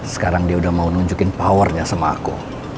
sekarang dia udah mau nunjukin powernya sama aku